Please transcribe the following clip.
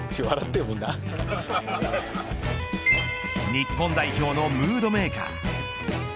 日本代表のムードメーカー。